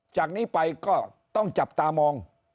จากนี้ไปก็ต้องจับตามอง